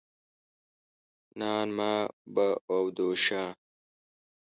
نان ما به او دو شا.